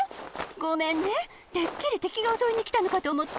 ごめんねてっきりてきがおそいにきたのかとおもって。